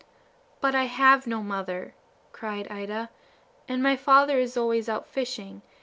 "But I have no mother," cried Ida, "and my father is always out fishing.